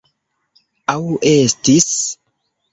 Aŭ estis?